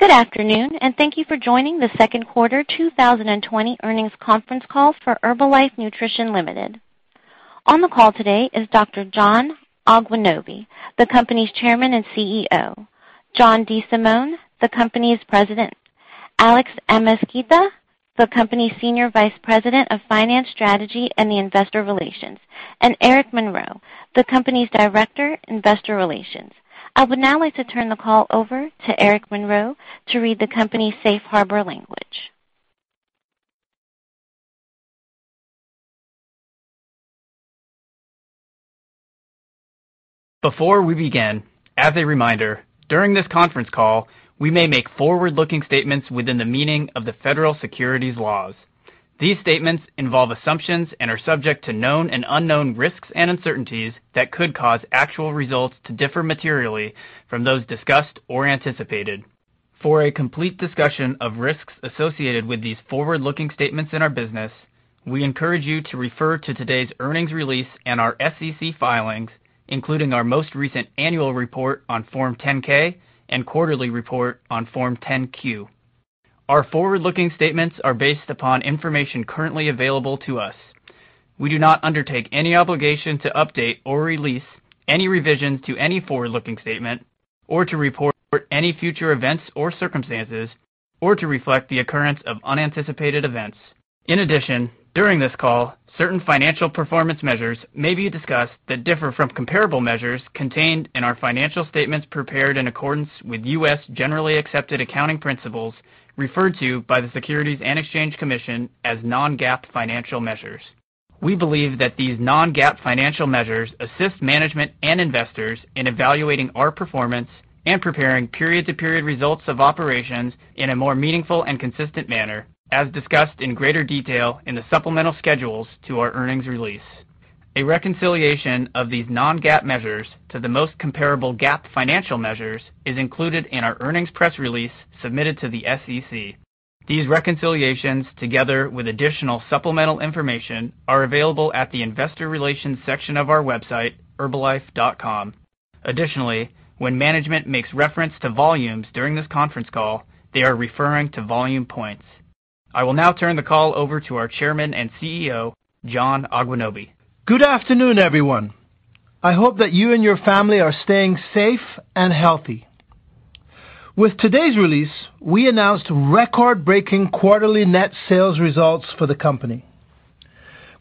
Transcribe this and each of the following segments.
Good afternoon, and thank you for joining the second quarter 2020 earnings conference call for Herbalife Nutrition Limited. On the call today is Dr. John Agwunobi, the company's Chairman and Chief Executive Officer, John DeSimone, the company's President, Alex Amezquita, the company's Senior Vice President, Finance, Strategy and Investor Relations, and Eric Monroe, the company's Director, Investor Relations. I would now like to turn the call over to Eric Monroe to read the company's safe harbor language. Before we begin, as a reminder, during this conference call, we may make forward-looking statements within the meaning of the Federal Securities laws. These statements involve assumptions and are subject to known and unknown risks and uncertainties that could cause actual results to differ materially from those discussed or anticipated. For a complete discussion of risks associated with these forward-looking statements in our business, we encourage you to refer to today's earnings release and our SEC filings, including our most recent annual report on Form 10-K and quarterly report on Form 10-Q. Our forward-looking statements are based upon information currently available to us. We do not undertake any obligation to update or release any revisions to any forward-looking statement or to report any future events or circumstances, or to reflect the occurrence of unanticipated events. In addition, during this call, certain financial performance measures may be discussed that differ from comparable measures contained in our financial statements prepared in accordance with U.S. generally accepted accounting principles referred to by the Securities and Exchange Commission as non-GAAP financial measures. We believe that these non-GAAP financial measures assist management and investors in evaluating our performance and preparing period-to-period results of operations in a more meaningful and consistent manner, as discussed in greater detail in the supplemental schedules to our earnings release. A reconciliation of these non-GAAP measures to the most comparable GAAP financial measures is included in our earnings press release submitted to the SEC. These reconciliations, together with additional supplemental information, are available at the investor relations section of our website, herbalife.com. When management makes reference to volumes during this conference call, they are referring to volume points. I will now turn the call over to our Chairman and CEO, John Agwunobi. Good afternoon, everyone. I hope that you and your family are staying safe and healthy. With today's release, we announced record-breaking quarterly net sales results for the company.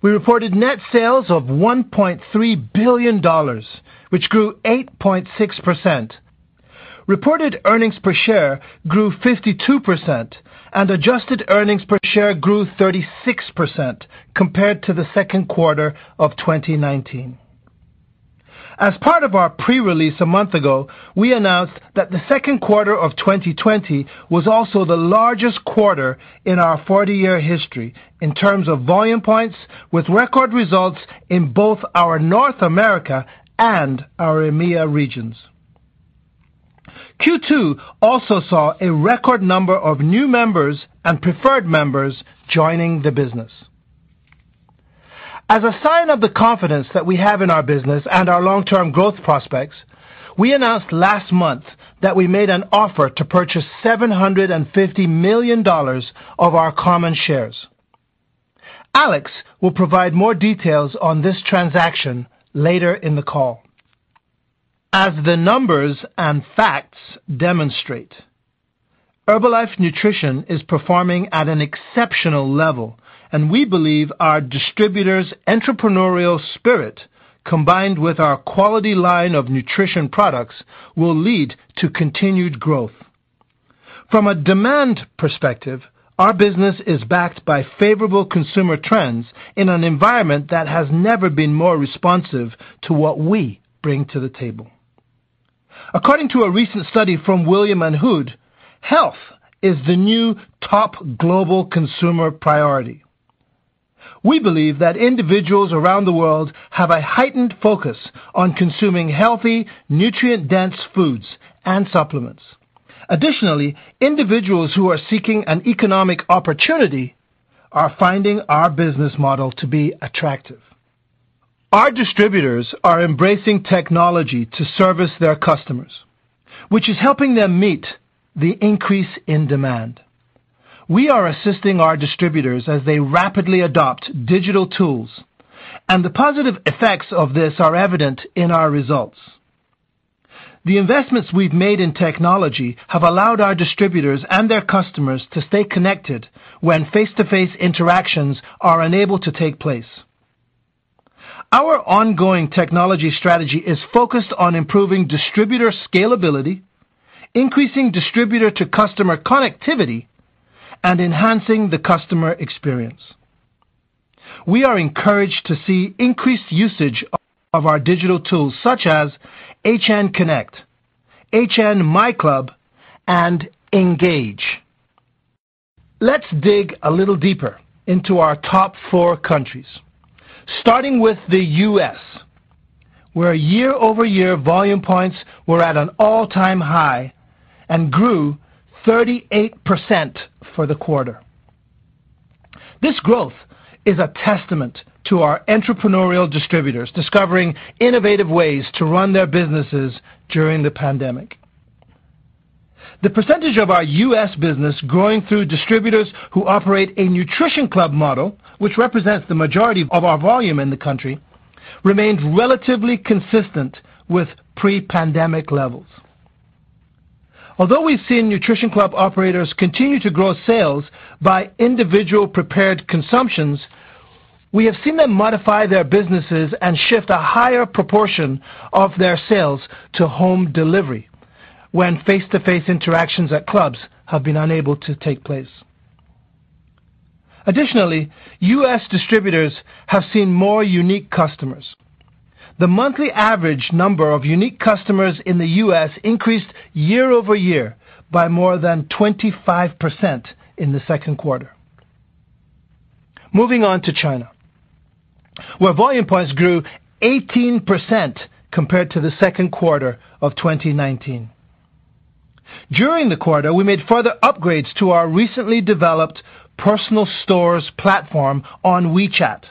We reported net sales of $1.3 billion, which grew 8.6%. Reported earnings per share grew 52%, and adjusted earnings per share grew 36% compared to the second quarter of 2019. As part of our pre-release a month ago, we announced that the second quarter of 2020 was also the largest quarter in our 40-year history in terms of volume points with record results in both our North America and our EMEA regions. Q2 also saw a record number of new members and preferred members joining the business. As a sign of the confidence that we have in our business and our long-term growth prospects, we announced last month that we made an offer to purchase $750 million of our common shares. Alex will provide more details on this transaction later in the call. As the numbers and facts demonstrate, Herbalife Nutrition is performing at an exceptional level, and we believe our distributors' entrepreneurial spirit, combined with our quality line of nutrition products, will lead to continued growth. From a demand perspective, our business is backed by favorable consumer trends in an environment that has never been more responsive to what we bring to the table. According to a recent study from William Hood, health is the new top global consumer priority. We believe that individuals around the world have a heightened focus on consuming healthy, nutrient-dense foods and supplements. Additionally, individuals who are seeking an economic opportunity are finding our business model to be attractive. Our distributors are embracing technology to service their customers, which is helping them meet the increase in demand. We are assisting our distributors as they rapidly adopt digital tools, and the positive effects of this are evident in our results. The investments we've made in technology have allowed our distributors and their customers to stay connected when face-to-face interactions are unable to take place. Our ongoing technology strategy is focused on improving distributor scalability, increasing distributor-to-customer connectivity, and enhancing the customer experience. We are encouraged to see increased usage of our digital tools, such as HN Connect, HN MyClub, and Engage. Let's dig a little deeper into our top four countries, starting with the U.S., where year-over-year volume points were at an all-time high and grew 38% for the quarter. This growth is a testament to our entrepreneurial distributors discovering innovative ways to run their businesses during the pandemic. The percentage of our U.S. business growing through distributors who operate a nutrition club model, which represents the majority of our volume in the country, remains relatively consistent with pre-pandemic levels. Although we've seen nutrition club operators continue to grow sales by individual prepared consumptions, we have seen them modify their businesses and shift a higher proportion of their sales to home delivery when face-to-face interactions at clubs have been unable to take place. Additionally, U.S. distributors have seen more unique customers. The monthly average number of unique customers in the U.S. increased year-over-year by more than 25% in the second quarter. Moving on to China, where volume points grew 18% compared to the second quarter of 2019. During the quarter, we made further upgrades to our recently developed personal stores platform on WeChat,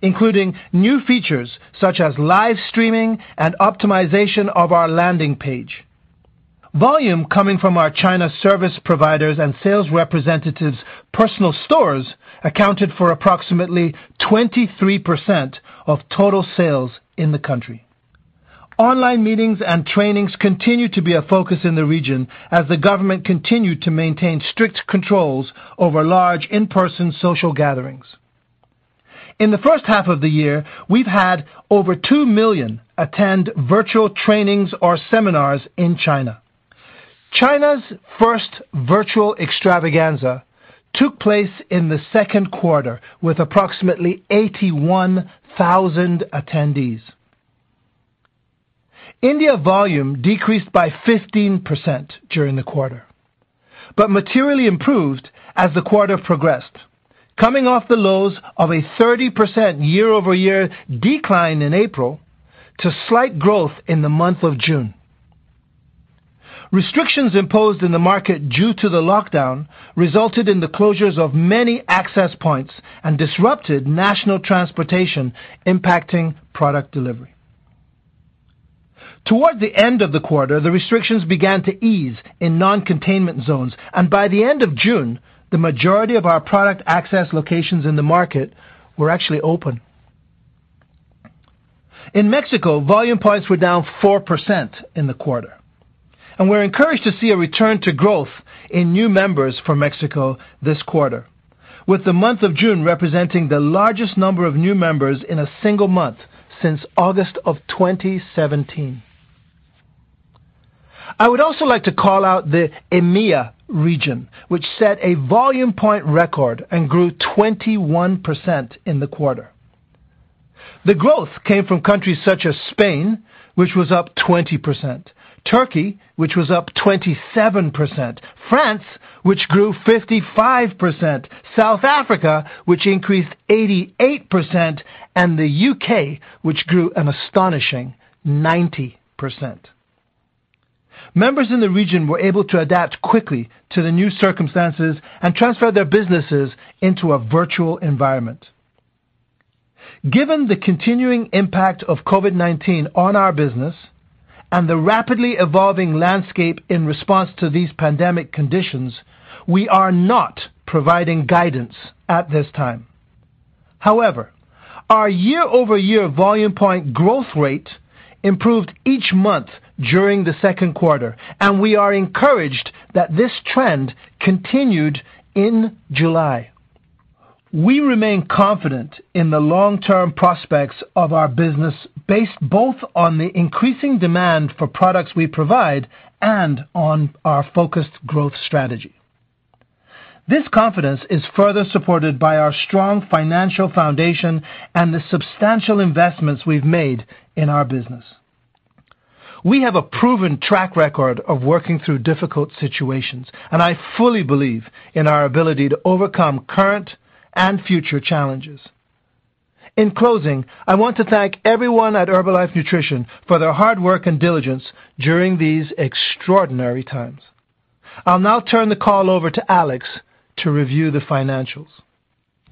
including new features such as live streaming and optimization of our landing page. Volume coming from our China service providers' and sales representatives' personal stores accounted for approximately 23% of total sales in the country. Online meetings and trainings continue to be a focus in the region as the government continued to maintain strict controls over large in-person social gatherings. In the first half of the year, we've had over two million attend virtual trainings or seminars in China. China's first virtual extravaganza took place in the second quarter with approximately 81,000 attendees. India volume decreased by 15% during the quarter, but materially improved as the quarter progressed, coming off the lows of a 30% year-over-year decline in April to slight growth in the month of June. Restrictions imposed in the market due to the lockdown resulted in the closures of many access points and disrupted national transportation, impacting product delivery. Toward the end of the quarter, the restrictions began to ease in non-containment zones, and by the end of June, the majority of our product access locations in the market were actually open. In Mexico, volume points were down 4% in the quarter, and we're encouraged to see a return to growth in new members for Mexico this quarter, with the month of June representing the largest number of new members in a single month since August of 2017. I would also like to call out the EMEA region, which set a volume point record and grew 21% in the quarter. The growth came from countries such as Spain, which was up 20%, Turkey, which was up 27%, France, which grew 55%, South Africa, which increased 88%, and the U.K., which grew an astonishing 90%. Members in the region were able to adapt quickly to the new circumstances and transfer their businesses into a virtual environment. Given the continuing impact of COVID-19 on our business and the rapidly evolving landscape in response to these pandemic conditions, we are not providing guidance at this time. However, our year-over-year volume point growth rate improved each month during the second quarter, and we are encouraged that this trend continued in July. We remain confident in the long-term prospects of our business based both on the increasing demand for products we provide and on our focused growth strategy. This confidence is further supported by our strong financial foundation and the substantial investments we've made in our business. We have a proven track record of working through difficult situations, and I fully believe in our ability to overcome current and future challenges. In closing, I want to thank everyone at Herbalife Nutrition for their hard work and diligence during these extraordinary times. I'll now turn the call over to Alex to review the financials.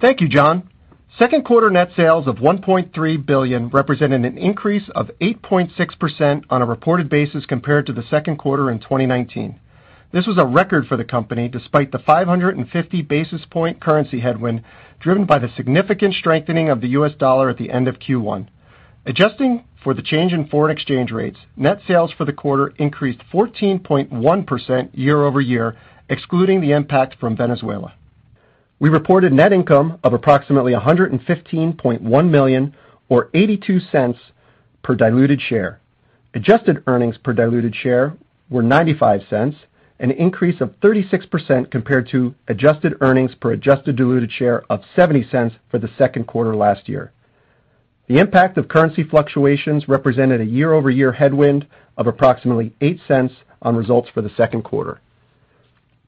Thank you, John. Second quarter net sales of $1.3 billion represented an increase of 8.6% on a reported basis compared to the second quarter in 2019. This was a record for the company despite the 550 basis points currency headwind driven by the significant strengthening of the U.S. dollar at the end of Q1. Adjusting for the change in foreign exchange rates, net sales for the quarter increased 14.1% year-over-year, excluding the impact from Venezuela. We reported net income of approximately $115.1 million or $0.82 per diluted share. Adjusted earnings per diluted share were $0.95, an increase of 36% compared to adjusted earnings per adjusted diluted share of $0.70 for the second quarter last year. The impact of currency fluctuations represented a year-over-year headwind of approximately $0.08 on results for the second quarter.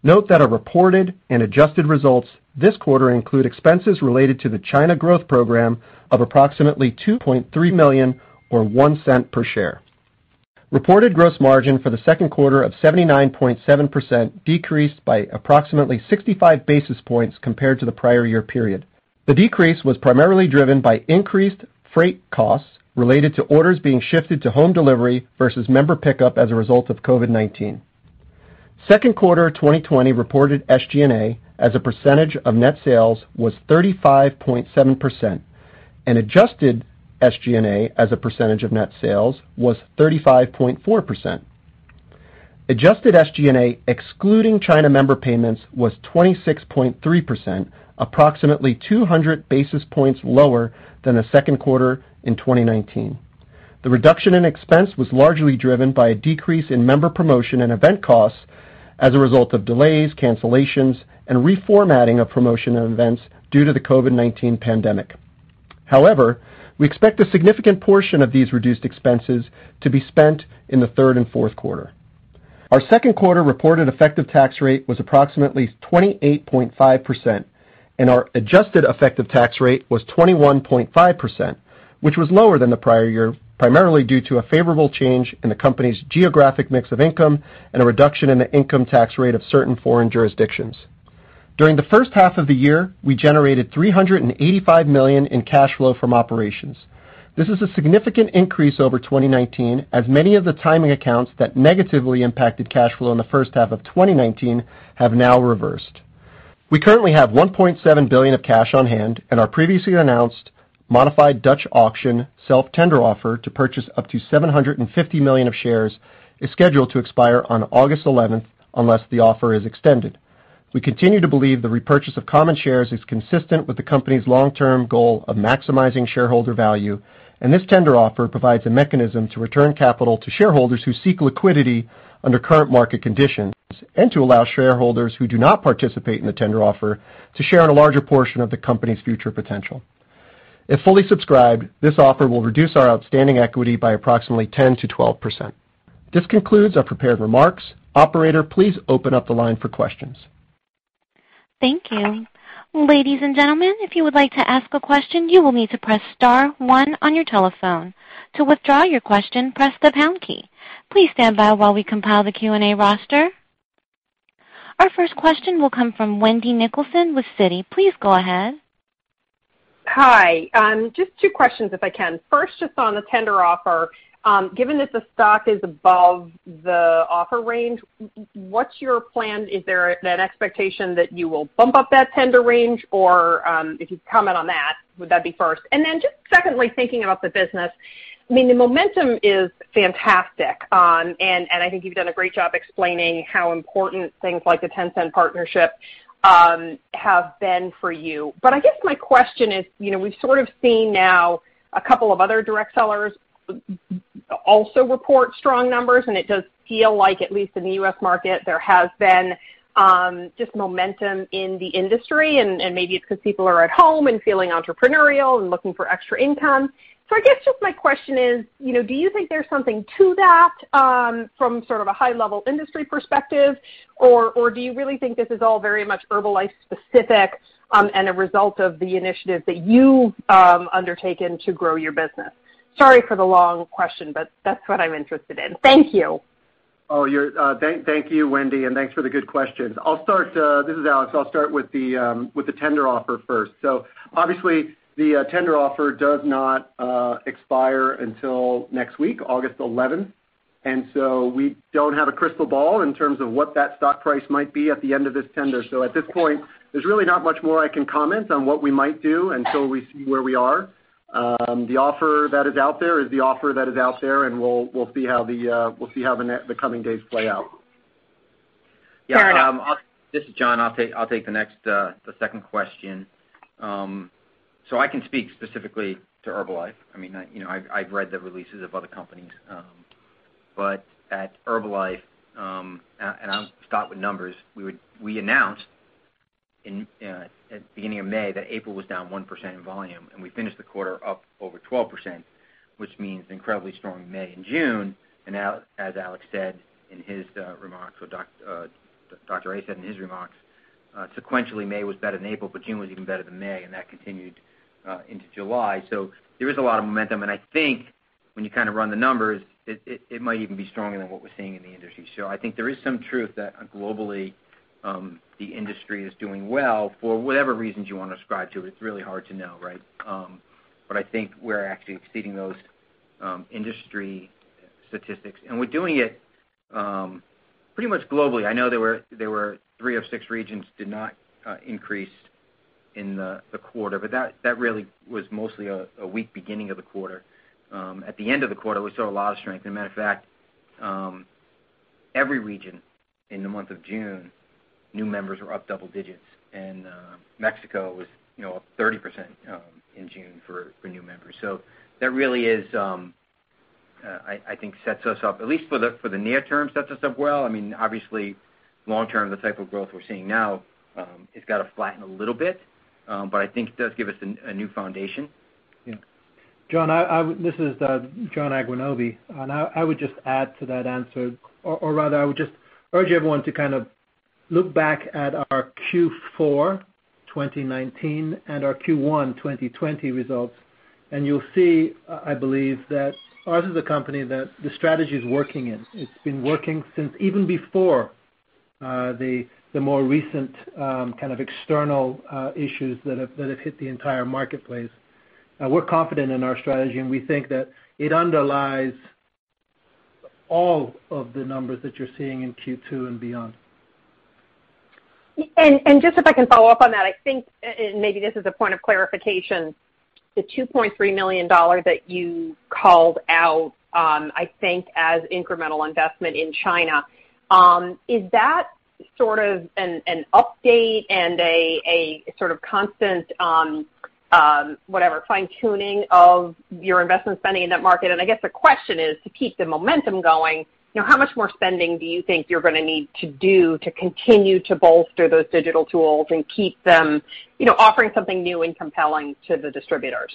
Note that our reported and adjusted results this quarter include expenses related to the China Growth Program of approximately $2.3 million or $0.01 per share. Reported gross margin for the second quarter of 79.7% decreased by approximately 65 basis points compared to the prior year period. The decrease was primarily driven by increased freight costs related to orders being shifted to home delivery versus member pickup as a result of COVID-19. Second quarter 2020 reported SG&A as a percentage of net sales was 35.7%, and adjusted SG&A as a percentage of net sales was 35.4%. Adjusted SG&A excluding China member payments was 26.3%, approximately 200 basis points lower than the second quarter in 2019. The reduction in expense was largely driven by a decrease in member promotion and event costs as a result of delays, cancellations, and reformatting of promotional events due to the COVID-19 pandemic. However, we expect a significant portion of these reduced expenses to be spent in the third and fourth quarter. Our second quarter reported effective tax rate was approximately 28.5%, and our adjusted effective tax rate was 21.5%, which was lower than the prior year, primarily due to a favorable change in the company's geographic mix of income and a reduction in the income tax rate of certain foreign jurisdictions. During the first half of the year, we generated $385 million in cash flow from operations. This is a significant increase over 2019, as many of the timing accounts that negatively impacted cash flow in the first half of 2019 have now reversed. We currently have $1.7 billion of cash on hand, and our previously announced modified Dutch auction self-tender offer to purchase up to $750 million of shares is scheduled to expire on August 11th, unless the offer is extended. We continue to believe the repurchase of common shares is consistent with the company's long-term goal of maximizing shareholder value, and this tender offer provides a mechanism to return capital to shareholders who seek liquidity under current market conditions, and to allow shareholders who do not participate in the tender offer to share in a larger portion of the company's future potential. If fully subscribed, this offer will reduce our outstanding equity by approximately 10%-12%. This concludes our prepared remarks. Operator, please open up the line for questions. Thank you. Ladies and gentlemen, if you would like to ask a question, you will need to press star one on your telephone. To withdraw your question, press the pound key. Please stand by while we compile the Q&A roster. Our first question will come from Wendy Nicholson with Citi. Please go ahead. Hi. Just two questions if I can. First, just on the tender offer, given that the stock is above the offer range, what's your plan? Is there that expectation that you will bump up that tender range? If you could comment on that, would that be first? Just secondly, thinking about the business, I mean, the momentum is fantastic, and I think you've done a great job explaining how important things like the Tencent partnership have been for you. I guess my question is, we've sort of seen now a couple of other direct sellers also report strong numbers, and it does feel like, at least in the U.S. market, there has been just momentum in the industry, and maybe it's because people are at home and feeling entrepreneurial and looking for extra income. I guess just my question is, do you think there's something to that from sort of a high level industry perspective? Or do you really think this is all very much Herbalife specific and a result of the initiatives that you've undertaken to grow your business? Sorry for the long question, but that's what I'm interested in. Thank you. Thank you, Wendy. Thanks for the good questions. This is Alex. I'll start with the tender offer first. Obviously, the tender offer does not expire until next week, August 11th. We don't have a crystal ball in terms of what that stock price might be at the end of this tender. At this point, there's really not much more I can comment on what we might do until we see where we are. The offer that is out there is the offer that is out there. We'll see how the coming days play out. Got it. Yeah, this is John. I'll take the second question. I can speak specifically to Herbalife. I've read the releases of other companies. At Herbalife, and I'll start with numbers, we announced at the beginning of May that April was down 1% in volume, and we finished the quarter up over 12%, which means incredibly strong May and June. Now as Alex said in his remarks, or Dr. A said in his remarks, sequentially May was better than April, June was even better than May, that continued into July. There is a lot of momentum, I think when you kind of run the numbers, it might even be stronger than what we're seeing in the industry. I think there is some truth that globally, the industry is doing well for whatever reasons you want to ascribe to it. It's really hard to know, right? I think we're actually exceeding those industry statistics, and we're doing it pretty much globally. I know there were three of six regions did not increase in the quarter, that really was mostly a weak beginning of the quarter. At the end of the quarter, we saw a lot of strength. As a matter of fact, every region in the month of June, new members were up double digits. Mexico was up 30% in June for new members. That really, I think sets us up, at least for the near term, sets us up well. Obviously, long term, the type of growth we're seeing now, it's got to flatten a little bit. I think it does give us a new foundation. Yeah. John, this is John Agwunobi. I would just add to that answer, or rather, I would just urge everyone to look back at our Q4 2019 and our Q1 2020 results. You'll see, I believe, that ours is a company that the strategy is working in. It's been working since even before the more recent kind of external issues that have hit the entire marketplace. We're confident in our strategy, and we think that it underlies all of the numbers that you're seeing in Q2 and beyond. Just if I can follow up on that, I think, maybe this is a point of clarification, the $2.3 million that you called out, I think as incremental investment in China, is that sort of an update and a sort of constant, whatever, fine-tuning of your investment spending in that market? I guess the question is, to keep the momentum going, how much more spending do you think you're going to need to do to continue to bolster those digital tools and keep them offering something new and compelling to the distributors?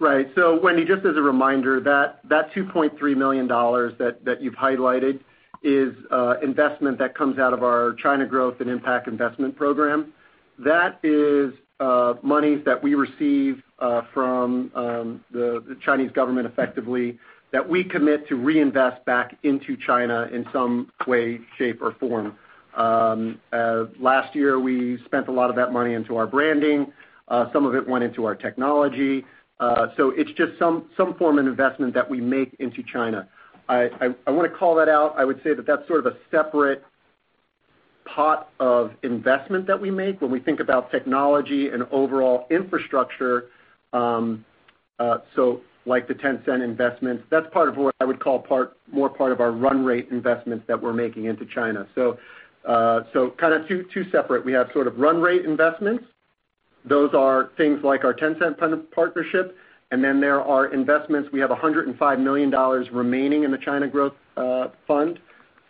Right. Wendy, just as a reminder, that $2.3 million that you've highlighted is investment that comes out of our China Growth and Impact Investment Program. That is monies that we receive from the Chinese government effectively that we commit to reinvest back into China in some way, shape, or form. Last year, we spent a lot of that money into our branding. Some of it went into our technology. It's just some form of investment that we make into China. I want to call that out. I would say that that's sort of a separate pot of investment that we make when we think about technology and overall infrastructure. Like the Tencent investments, that's part of what I would call more part of our run rate investments that we're making into China. Kind of two separate. We have sort of run rate investments. Those are things like our Tencent partnership. There are investments, we have $105 million remaining in the China Growth Fund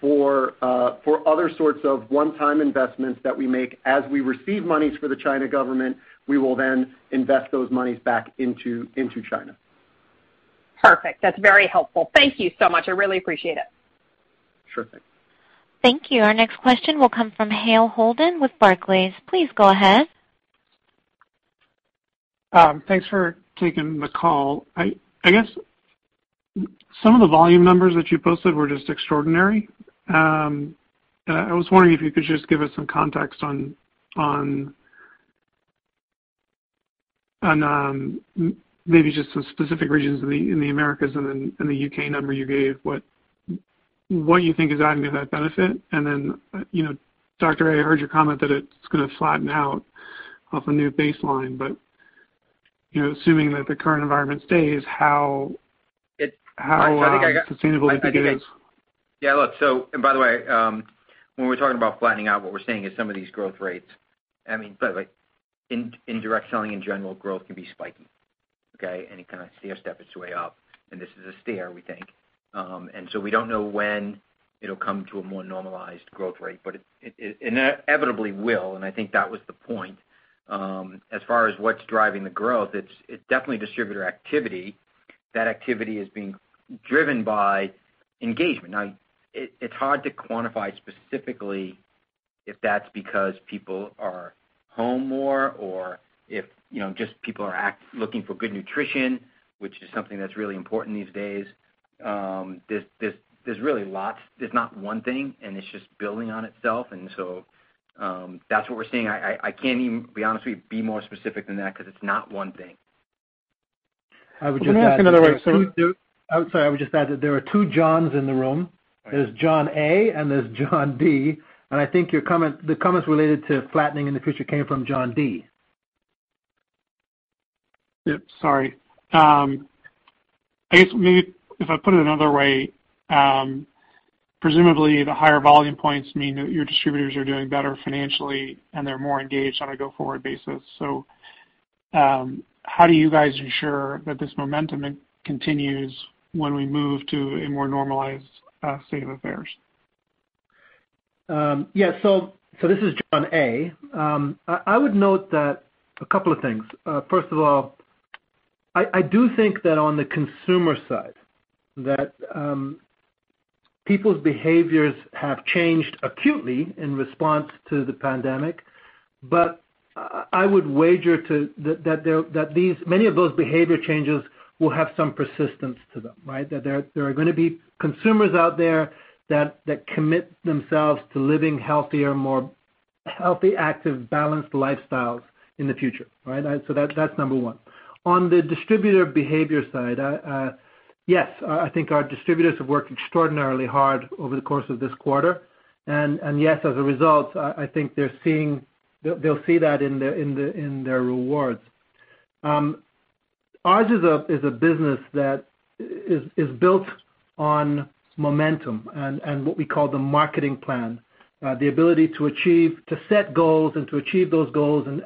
for other sorts of one-time investments that we make. As we receive monies for the China government, we will then invest those monies back into China. Perfect. That's very helpful. Thank you so much. I really appreciate it. Sure thing. Thank you. Our next question will come from Hale Holden with Barclays. Please go ahead. Thanks for taking the call. I guess some of the volume numbers that you posted were just extraordinary. I was wondering if you could just give us some context on maybe just some specific regions in the Americas and the U.K. number you gave, what you think is adding to that benefit. Then, Dr. A, I heard your comment that it's going to flatten out off a new baseline, but assuming that the current environment stays, how sustainable do you think it is? Yeah, look. By the way, when we're talking about flattening out, what we're saying is some of these growth rates. I mean, by the way, in direct selling in general, growth can be spiky. It kind of stair-step its way up, and this is a stair, we think. We don't know when it'll come to a more normalized growth rate, but it inevitably will, and I think that was the point. As far as what's driving the growth, it's definitely distributor activity. That activity is being driven by engagement. Now, it's hard to quantify specifically if that's because people are home more or if just people are looking for good nutrition, which is something that's really important these days. There's really lots. There's not one thing, and it's just building on itself, that's what we're seeing. I can't even, be honest with you, be more specific than that because it's not one thing. I would just add that. Le\t me ask it another way. Oh, sorry. I would just add that there are two Johns in the room. Right. There's John A and there's John D. I think the comments related to flattening in the future came from John D. Yep, sorry. I guess maybe if I put it another way, presumably the higher volume points mean that your distributors are doing better financially and they're more engaged on a go-forward basis. How do you guys ensure that this momentum continues when we move to a more normalized state of affairs? Yeah. This is John A. I would note that a couple of things. First of all, I do think that on the consumer side, that people's behaviors have changed acutely in response to the pandemic. I would wager too that many of those behavior changes will have some persistence to them, right? There are going to be consumers out there that commit themselves to living healthier, more healthy, active, balanced lifestyles in the future, right? That's number one. On the distributor behavior side, yes, I think our distributors have worked extraordinarily hard over the course of this quarter. Yes, as a result, I think they'll see that in their rewards. Ours is a business that is built on momentum and what we call the marketing plan, the ability to set goals and to achieve those goals, and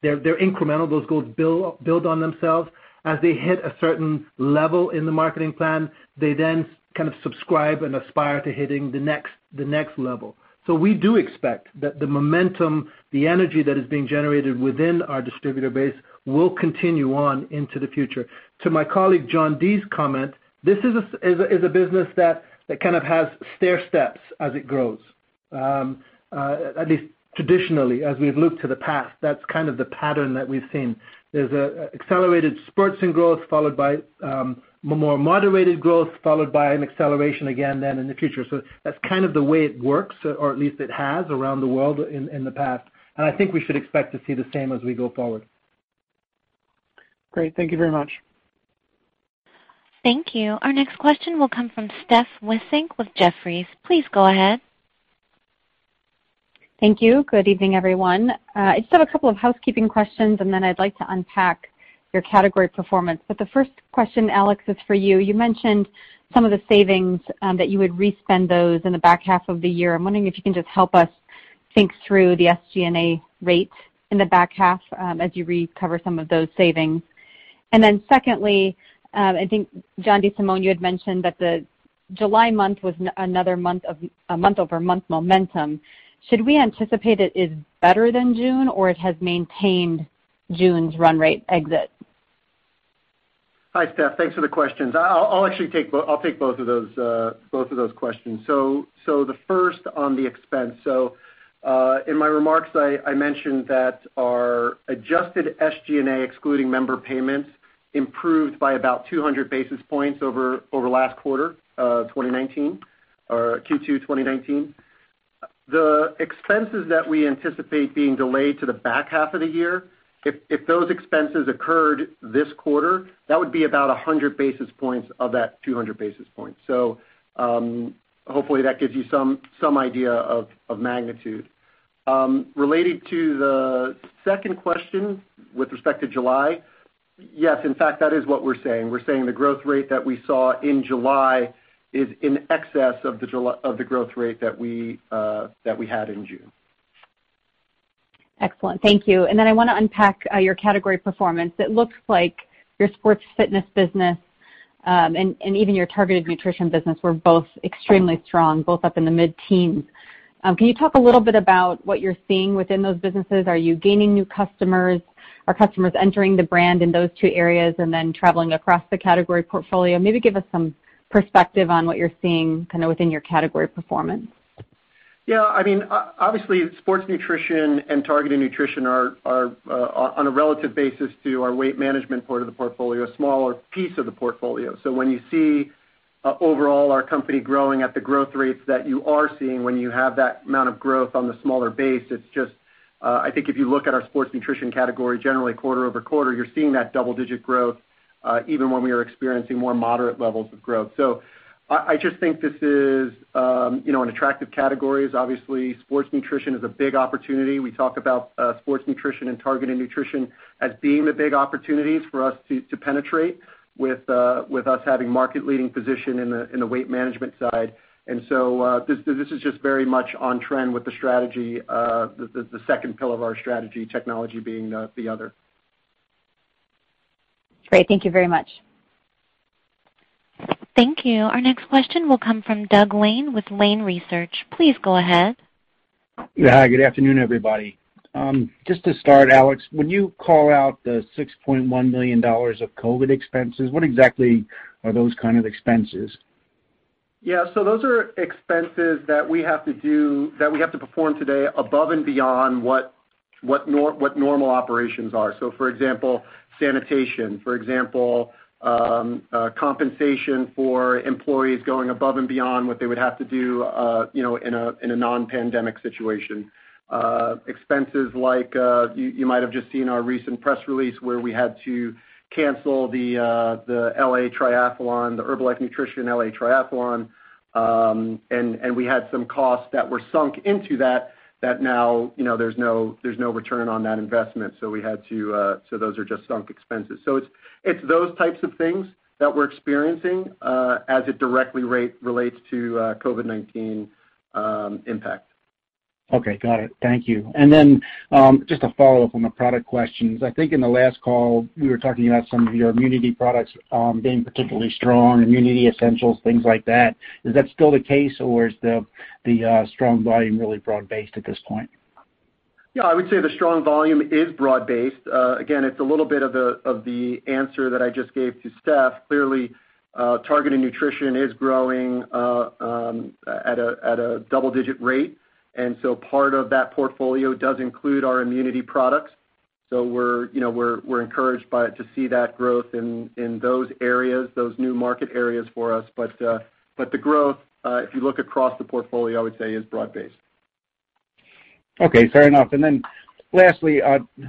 they're incremental. Those goals build on themselves. As they hit a certain level in the marketing plan, they then kind of subscribe and aspire to hitting the next level. We do expect that the momentum, the energy that is being generated within our distributor base will continue on into the future. To my colleague, John D's comment, this is a business that kind of has stairsteps as it grows. At least traditionally, as we've looked to the past, that's kind of the pattern that we've seen. There's accelerated spurts in growth, followed by more moderated growth, followed by an acceleration again then in the future. That's kind of the way it works, or at least it has around the world in the past. I think we should expect to see the same as we go forward. Great. Thank you very much. Thank you. Our next question will come from Steph Wissink with Jefferies. Please go ahead. Thank you. Good evening, everyone. I just have a couple of housekeeping questions, and then I'd like to unpack your category performance. The first question, Alex, is for you. You mentioned some of the savings, that you would re-spend those in the back half of the year. I'm wondering if you can just help us think through the SG&A rate in the back half as you recover some of those savings. Then secondly, I think, John DeSimone, you had mentioned that the July month was another month-over-month momentum. Should we anticipate it is better than June, or it has maintained June's run rate exit? Hi, Steph. Thanks for the questions. I'll take both of those questions. The first on the expense. In my remarks, I mentioned that our adjusted SG&A, excluding member payments, improved by about 200 basis points over last quarter, 2019 or Q2 2019. The expenses that we anticipate being delayed to the back half of the year, if those expenses occurred this quarter, that would be about 100 basis points of that 200 basis points. Hopefully, that gives you some idea of magnitude. Related to the second question with respect to July, yes, in fact, that is what we're saying. We're saying the growth rate that we saw in July is in excess of the growth rate that we had in June. Excellent. Thank you. Then I want to unpack your category performance. It looks like your sports fitness business, and even your targeted nutrition business, were both extremely strong, both up in the mid-teens. Can you talk a little bit about what you're seeing within those businesses? Are you gaining new customers? Are customers entering the brand in those two areas and then traveling across the category portfolio? Maybe give us some perspective on what you're seeing kind of within your category performance. Yeah, obviously, sports nutrition and targeted nutrition are, on a relative basis to our weight management part of the portfolio, a smaller piece of the portfolio. When you see overall our company growing at the growth rates that you are seeing, when you have that amount of growth on the smaller base, I think if you look at our sports nutrition category, generally quarter-over-quarter, you're seeing that double-digit growth, even when we are experiencing more moderate levels of growth. I just think this is an attractive category. Obviously, sports nutrition is a big opportunity. We talk about sports nutrition and targeted nutrition as being the big opportunities for us to penetrate with us having market-leading position in the weight management side. This is just very much on trend with the strategy, the second pillar of our strategy, technology being the other. Great. Thank you very much. Thank you. Our next question will come from Doug Lane with Lane Research. Please go ahead. Yeah. Good afternoon, everybody. Just to start, Alex, when you call out the $6.1 million of COVID expenses, what exactly are those kind of expenses? Yeah, those are expenses that we have to perform today above and beyond what normal operations are. For example, sanitation. For example, compensation for employees going above and beyond what they would have to do in a non-pandemic situation. Expenses like, you might have just seen our recent press release where we had to cancel the Herbalife24 Triathlon Los Angeles, and we had some costs that were sunk into that now there's no return on that investment. Those are just sunk expenses. It's those types of things that we're experiencing as it directly relates to COVID-19 impact. Okay, got it. Thank you. Just a follow-up on the product questions. I think in the last call, we were talking about some of your immunity products being particularly strong, Immunity Essentials, things like that. Is that still the case, or is the strong volume really broad-based at this point? Yeah, I would say the strong volume is broad-based. Again, it's a little bit of the answer that I just gave to Steph. Clearly, targeted nutrition is growing at a double-digit rate, and so part of that portfolio does include our immunity products. We're encouraged to see that growth in those areas, those new market areas for us. The growth, if you look across the portfolio, I would say is broad-based. Okay, fair enough. Lastly,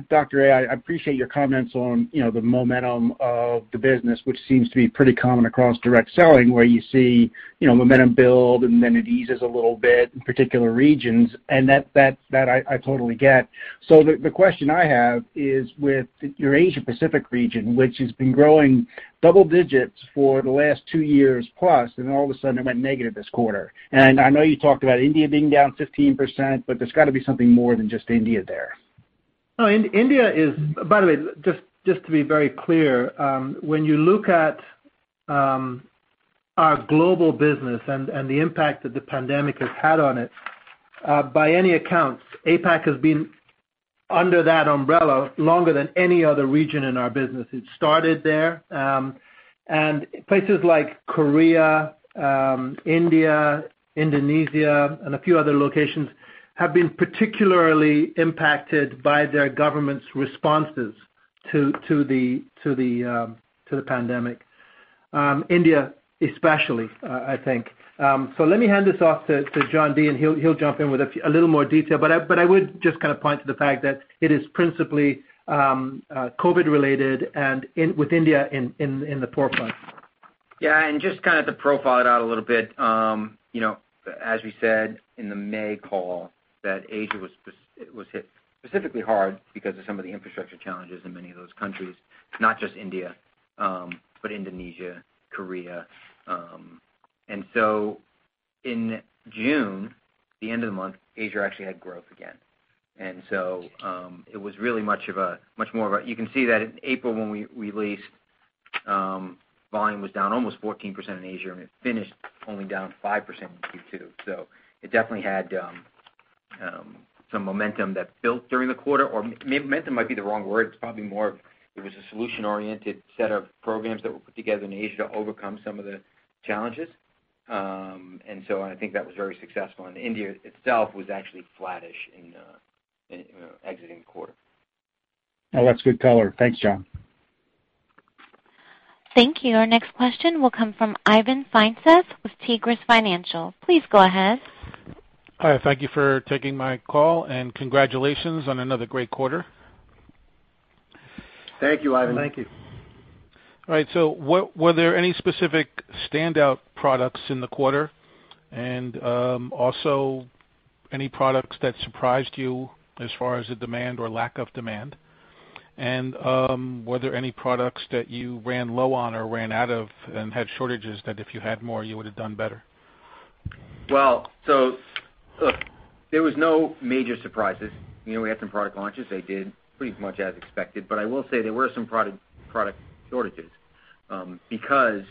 Dr. A, I appreciate your comments on the momentum of the business, which seems to be pretty common across direct selling, where you see momentum build and then it eases a little bit in particular regions, and that I totally get. The question I have is with your Asia Pacific region, which has been growing double digits for the last two years plus, and all of a sudden it went negative this quarter. I know you talked about India being down 15%, but there's got to be something more than just India there. By the way, just to be very clear, when you look at our global business and the impact that the pandemic has had on it, by any accounts, APAC has been under that umbrella longer than any other region in our business. It started there. Places like Korea, India, Indonesia, and a few other locations have been particularly impacted by their government's responses to the pandemic. India, especially, I think. Let me hand this off to John D., and he'll jump in with a little more detail. I would just kind of point to the fact that it is principally COVID-related and with India in the forefront. Yeah, just kind of to profile it out a little bit. As we said in the May call, that Asia was hit specifically hard because of some of the infrastructure challenges in many of those countries. Not just India, but Indonesia, Korea. In June, the end of the month, Asia actually had growth again. You can see that in April when we released, volume was down almost 14% in Asia, and it finished only down 5% in Q2. It definitely had some momentum that built during the quarter, or momentum might be the wrong word. It's probably more of a solution-oriented set of programs that were put together in Asia to overcome some of the challenges. I think that was very successful, and India itself was actually flattish in exiting the quarter. Oh, that's good color. Thanks, John. Thank you. Our next question will come from Ivan Feinseth with Tigress Financial. Please go ahead. Hi, thank you for taking my call, and congratulations on another great quarter. Thank you, Ivan. Thank you. All right, were there any specific standout products in the quarter? Also, any products that surprised you as far as the demand or lack of demand? Were there any products that you ran low on or ran out of and had shortages, that if you had more, you would've done better? Look, there was no major surprises. We had some product launches. They did pretty much as expected. I will say there were some product shortages, because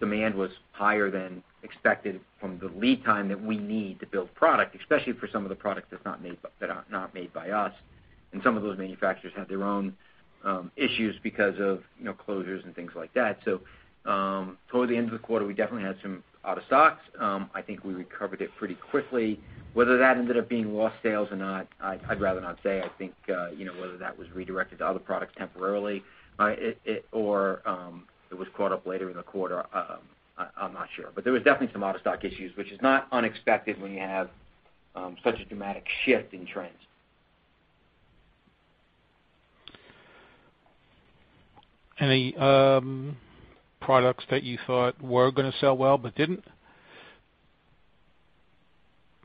demand was higher than expected from the lead time that we need to build product, especially for some of the products that are not made by us, and some of those manufacturers had their own issues because of closures and things like that. Toward the end of the quarter, we definitely had some out-of-stocks. I think we recovered it pretty quickly. Whether that ended up being lost sales or not, I'd rather not say. I think whether that was redirected to other products temporarily, or it was caught up later in the quarter, I'm not sure. There was definitely some out-of-stock issues, which is not unexpected when you have such a dramatic shift in trends. Any products that you thought were going to sell well but didn't?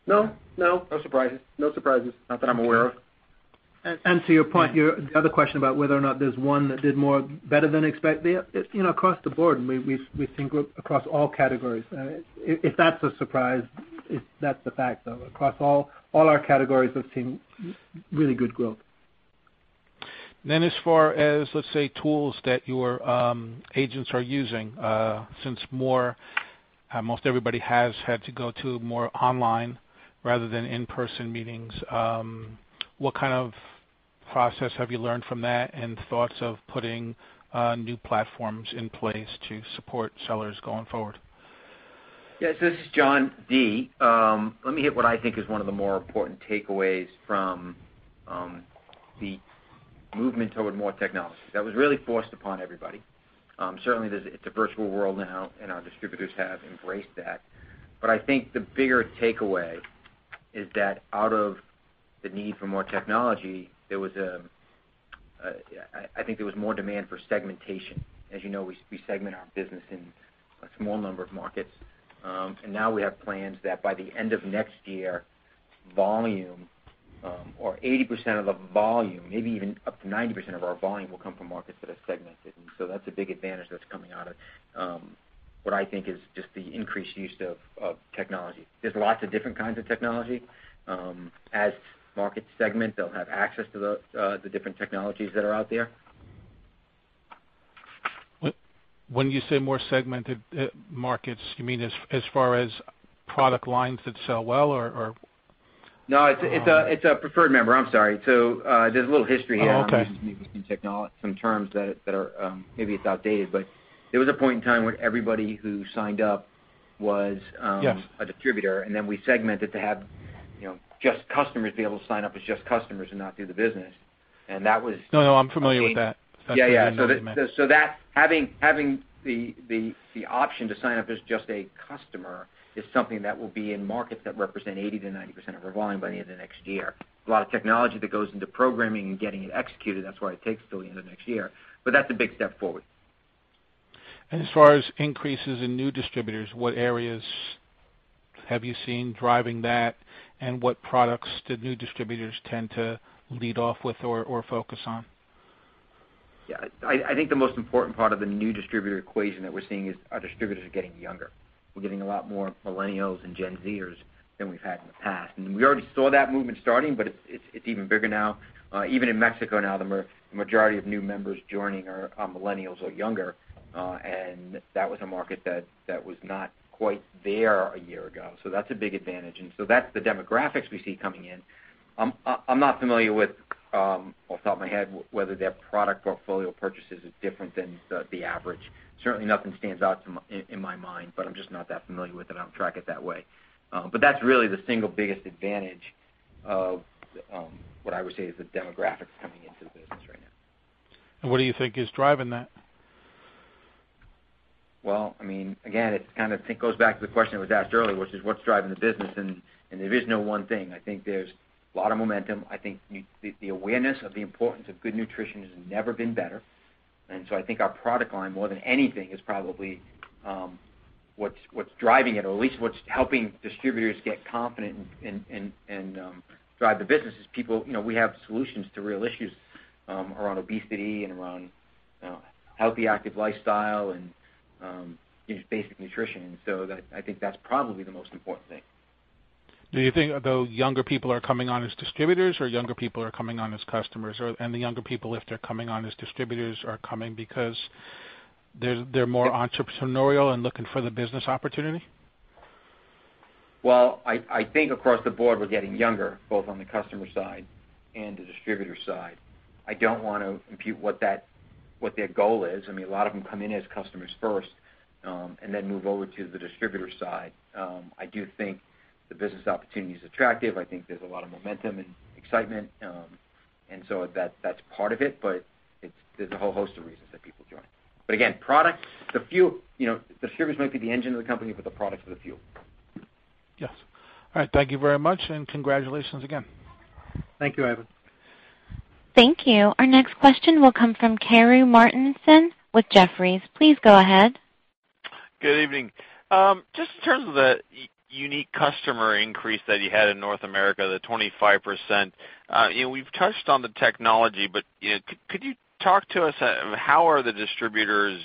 No. No surprises. Not that I'm aware of. To your point, your other question about whether or not there's one that did more better than expected, across the board, we've seen growth across all categories. If that's a surprise, that's a fact, though. Across all our categories, we've seen really good growth. As far as, let's say, tools that your agents are using, since most everybody has had to go to more online rather than in-person meetings. What kind of process have you learned from that, and thoughts of putting new platforms in place to support sellers going forward? Yes. This is John D. Let me hit what I think is one of the more important takeaways from the movement toward more technology. That was really forced upon everybody. Certainly, it's a virtual world now, and our distributors have embraced that. I think the bigger takeaway is that out of the need for more technology, I think there was more demand for segmentation. As you know, we segment our business in a small number of markets. Now we have plans that by the end of next year, volume or 80% of the volume, maybe even up to 90% of our volume, will come from markets that are segmented. That's a big advantage that's coming out of what I think is just the increased use of technology. There's lots of different kinds of technology. As markets segment, they'll have access to the different technologies that are out there. When you say more segmented markets, you mean as far as product lines that sell well or? No, it's a preferred member. I'm sorry. There's a little history here. Oh, okay. We've been using some terms that are, maybe it's outdated, but there was a point in time where everybody who signed up was- Yes a distributor, then we segmented to have just customers be able to sign up as just customers and not do the business. No, no, I'm familiar with that. Yeah. That, having the option to sign up as just a customer is something that will be in markets that represent 80%-90% of our volume by the end of next year. A lot of technology that goes into programming and getting it executed, that's why it takes till the end of next year. That's a big step forward. As far as increases in new distributors, what areas have you seen driving that, and what products do new distributors tend to lead off with or focus on? Yeah. I think the most important part of the new distributor equation that we're seeing is our distributors are getting younger. We're getting a lot more millennials and Gen Zers than we've had in the past. We already saw that movement starting. It's even bigger now. Even in Mexico now, the majority of new members joining are millennials or younger. That was a market that was not quite there a year ago. That's a big advantage. That's the demographics we see coming in. I'm not familiar with, off the top of my head, whether their product portfolio purchases is different than the average. Certainly nothing stands out in my mind. I'm just not that familiar with it. I don't track it that way. That's really the single biggest advantage of what I would say is the demographics coming into the business right now. What do you think is driving that? Again, it goes back to the question that was asked earlier, which is what's driving the business? There is no one thing. I think there's a lot of momentum. I think the awareness of the importance of good nutrition has never been better. I think our product line, more than anything, is probably what's driving it, or at least what's helping distributors get confident and drive the business is people. We have solutions to real issues around obesity and around healthy, active lifestyle and just basic nutrition. I think that's probably the most important thing. Do you think, though, younger people are coming on as distributors, or younger people are coming on as customers? The younger people, if they're coming on as distributors, are coming because they're more entrepreneurial and looking for the business opportunity? Well, I think across the board, we're getting younger, both on the customer side and the distributor side. I don't want to impute what their goal is. A lot of them come in as customers first and then move over to the distributor side. I do think the business opportunity is attractive. I think there's a lot of momentum and excitement. That's part of it, but there's a whole host of reasons that people join. Again, products. The fuel. Distributors might be the engine of the company, but the product's the fuel. Yes. All right. Thank you very much, and congratulations again. Thank you, Ivan. Thank you. Our next question will come from Karru Martinson with Jefferies. Please go ahead. Good evening. Just in terms of the unique customer increase that you had in North America, the 25%, we've touched on the technology, could you talk to us, how are the distributors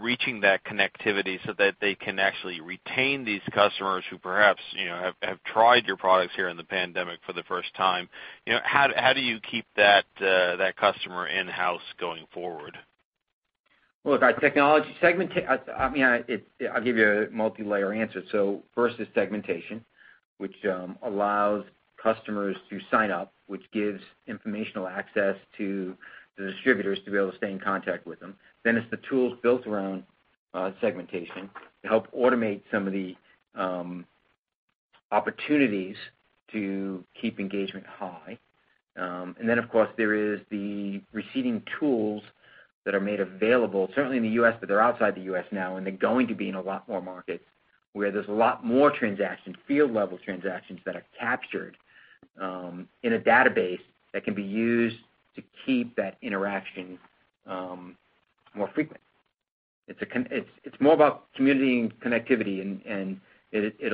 reaching that connectivity so that they can actually retain these customers who perhaps have tried your products here in the pandemic for the first time? How do you keep that customer in-house going forward? Well, look, I'll give you a multilayer answer. First is segmentation, which allows customers to sign up, which gives informational access to the distributors to be able to stay in contact with them. It's the tools built around segmentation to help automate some of the opportunities to keep engagement high. Of course, there is the receiving tools that are made available, certainly in the U.S., but they're outside the U.S. now, and they're going to be in a lot more markets where there's a lot more transactions, field-level transactions, that are captured in a database that can be used to keep that interaction more frequent. It's more about community and connectivity, and the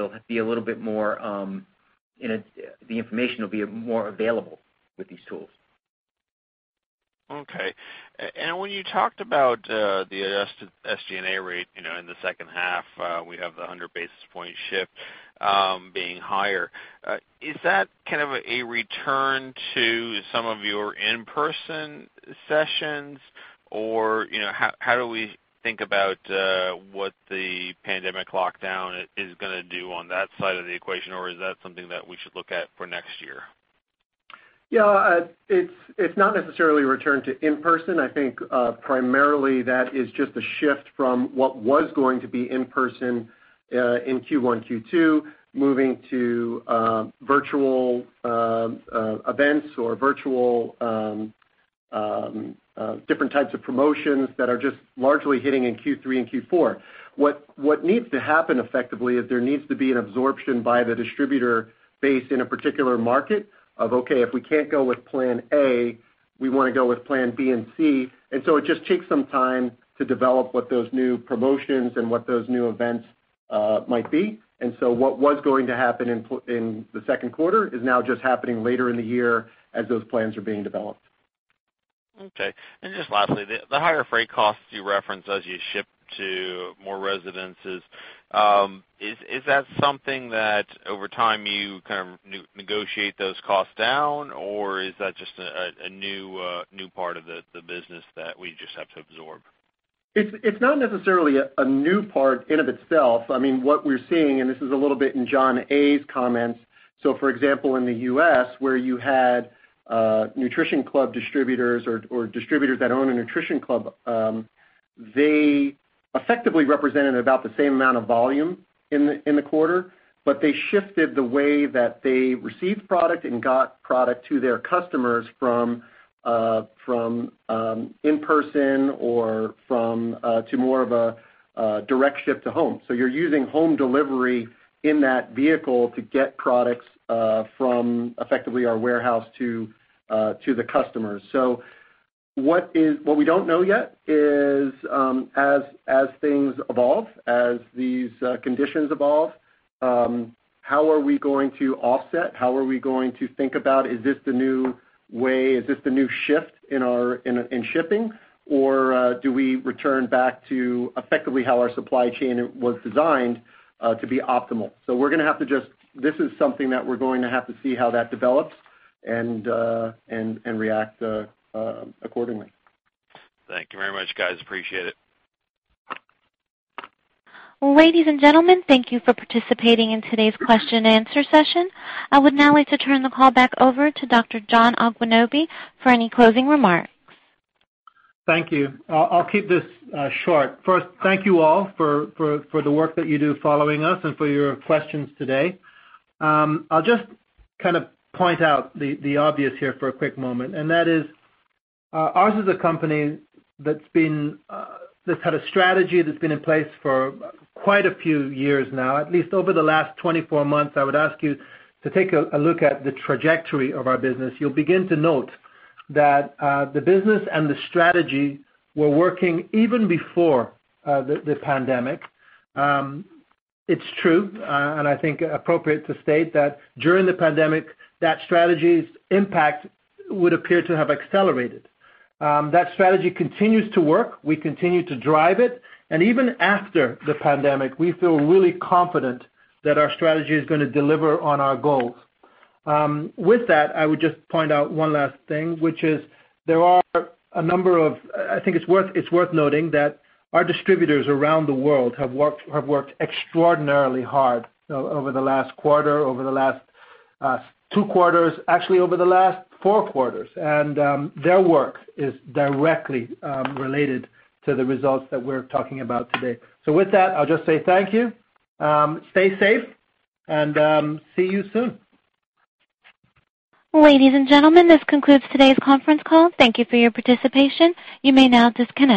information will be more available with these tools. Okay. When you talked about the SG&A rate in the second half, we have the 100 basis point shift being higher. Is that kind of a return to some of your in-person sessions? How do we think about what the pandemic lockdown is going to do on that side of the equation? Is that something that we should look at for next year? Yeah. It's not necessarily a return to in-person. I think primarily that is just a shift from what was going to be in-person in Q1, Q2, moving to virtual events or virtual different types of promotions that are just largely hitting in Q3 and Q4. What needs to happen effectively is there needs to be an absorption by the distributor base in a particular market of, okay, if we can't go with plan A, we want to go with plan B and C. It just takes some time to develop what those new promotions and what those new events might be. What was going to happen in the second quarter is now just happening later in the year as those plans are being developed. Okay. Just lastly, the higher freight costs you referenced as you ship to more residences, is that something that over time you kind of negotiate those costs down, or is that just a new part of the business that we just have to absorb? It's not necessarily a new part in and of itself. What we're seeing, and this is a little bit in John A.'s comments, for example, in the U.S., where you had Nutrition Club distributors or distributors that own a Nutrition Club, they effectively represented about the same amount of volume in the quarter, but they shifted the way that they received product and got product to their customers from in-person to more of a direct ship to home. You're using home delivery in that vehicle to get products from effectively our warehouse to the customers. What we don't know yet is, as things evolve, as these conditions evolve, how are we going to offset, how are we going to think about, is this the new way, is this the new shift in shipping, or do we return back to effectively how our supply chain was designed to be optimal? This is something that we're going to have to see how that develops and react accordingly. Thank you very much, guys. Appreciate it. Well, ladies and gentlemen, thank you for participating in today's question and answer session. I would now like to turn the call back over to Dr. John Agwunobi for any closing remarks. Thank you. I'll keep this short. First, thank you all for the work that you do following us and for your questions today. I'll just point out the obvious here for a quick moment, and that is, ours is a company that's had a strategy that's been in place for quite a few years now, at least over the last 24 months. I would ask you to take a look at the trajectory of our business. You'll begin to note that the business and the strategy were working even before the pandemic. It's true, and I think appropriate to state, that during the pandemic, that strategy's impact would appear to have accelerated. That strategy continues to work. We continue to drive it, and even after the pandemic, we feel really confident that our strategy is going to deliver on our goals. With that, I would just point out one last thing, which is, I think it's worth noting that our distributors around the world have worked extraordinarily hard over the last quarter, over the last two quarters, actually over the last four quarters. Their work is directly related to the results that we're talking about today. With that, I'll just say thank you. Stay safe, and see you soon. Ladies and gentlemen, this concludes today's conference call. Thank you for your participation. You may now disconnect.